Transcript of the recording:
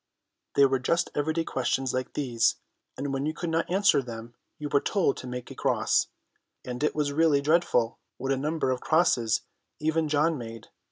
They were just everyday questions like these, and when you could not answer them you were told to make a cross; and it was really dreadful what a number of crosses even John made.